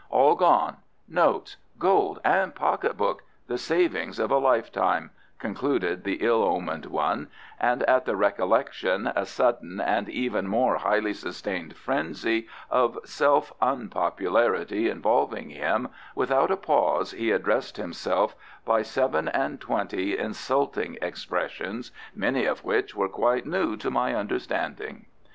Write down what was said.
"All gone: notes, gold, and pocket book the savings of a lifetime," concluded the ill omened one, and at the recollection a sudden and even more highly sustained frenzy of self unpopularity involving him, without a pause he addressed himself by seven and twenty insulting expressions, many of which were quite new to my understanding.